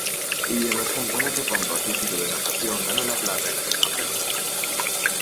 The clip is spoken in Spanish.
Y en los Campeonato Pan-Pacífico de Natación ganó la plata en la misma prueba.